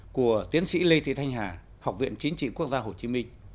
của tiến sĩ lê thị thanh hà học viện chính trị quốc gia hồ chí minh